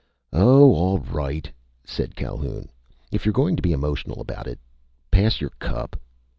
"Oh, all right!" said Calhoun. "If you're going to be emotional about it, pass you cup!"